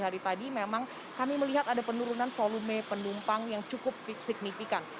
hari tadi memang kami melihat ada penurunan volume penumpang yang cukup signifikan